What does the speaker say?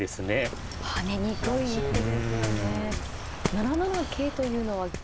７七桂というのは。